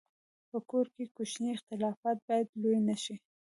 په کور کې کوچني اختلافات باید لوی نه شي.